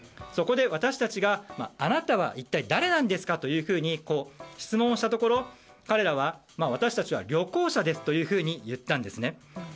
そこで私たちがあなたは一体誰なんですかと質問をしたところ彼らは、私たちは旅行者ですというふうに言ったんですね。